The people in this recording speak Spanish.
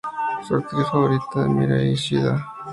Su actriz favorita es Mirai Shida.